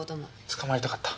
捕まりたかった。